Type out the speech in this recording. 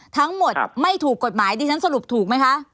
ทั้งหมดไม่ถูกกฎหมายดิฉันสรุปถูกไหมคะ